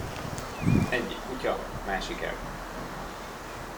Egyik kutya, másik eb.